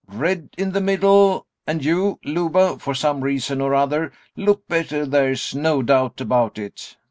red in the middle; and you, Luba, for some reason or other, look better, there's no doubt about it.